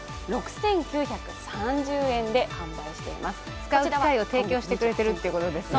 使う機会を提供してくれてるってことですね。